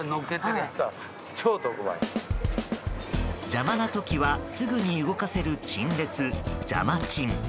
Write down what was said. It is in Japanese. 邪魔な時はすぐに動かせる陳列ジャマチン。